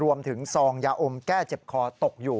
ซองยาอมแก้เจ็บคอตกอยู่